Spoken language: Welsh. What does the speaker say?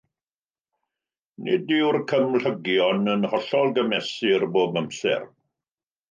Nid yw'r cymhlygion yn hollol gymesur bob amser.